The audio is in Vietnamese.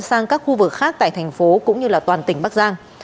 sang các khu vực khác tại thành phố cũng như là toàn tỉnh bắc giang